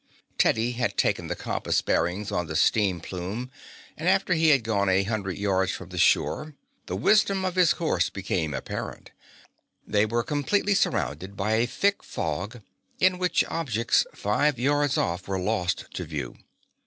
Teddy had taken the compass bearings of the steam plume, and after he had gone a hundred yards from the shore the wisdom of his course became apparent. They were completely surrounded by a thick fog in which objects five yards off were lost to view.